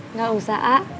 nggak usah a